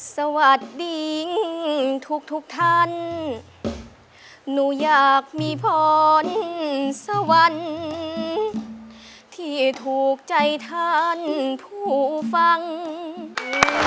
สวัสดีทุกทุกท่านหนูอยากมีผลสวรรค์ที่ถูกใจท่านผู้ฟัง